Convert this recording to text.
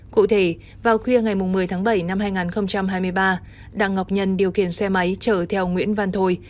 cụ thể vào khuya ngày một mươi tháng bảy năm hai nghìn hai mươi ba đặng ngọc nhân điều khiển xe máy chở theo nguyễn văn thôi